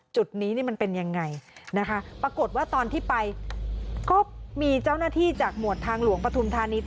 จุดนี้นี่มันเป็นยังไงนะคะปรากฏว่าตอนที่ไปก็มีเจ้าหน้าที่จากหมวดทางหลวงปฐุมธานี